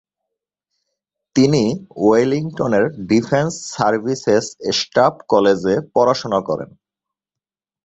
তিনি ওয়েলিংটনের Defence Services Staff কলেজে পড়াশোনা করেন।